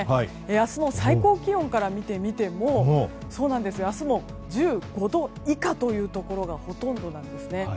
明日の最高気温から見てみても明日も１５度以下というところがほとんどなんですね。